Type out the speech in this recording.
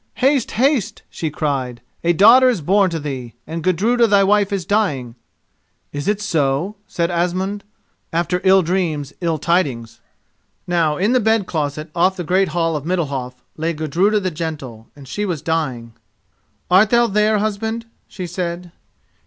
"Haste, haste!" she cried; "a daughter is born to thee, and Gudruda thy wife is dying!" "Is it so?" said Asmund; "after ill dreams ill tidings." Now in the bed closet off the great hall of Middalhof lay Gudruda the Gentle and she was dying. "Art thou there, husband?" she said.